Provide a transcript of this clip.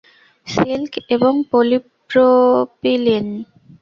Silk এবং polypropylene.